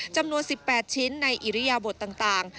จำนวน๑๘ชิ้นในอิริยบทต่าง